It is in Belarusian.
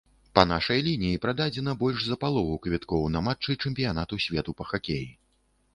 Па нашай лініі прададзена больш за палову квіткоў на матчы чэмпіянату свету па хакеі.